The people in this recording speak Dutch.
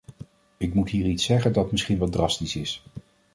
Ik moet hier iets zeggen dat misschien wat drastisch is.